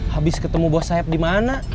habis ketemu buah sayap di mana